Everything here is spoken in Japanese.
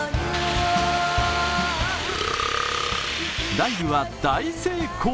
ライブは大成功！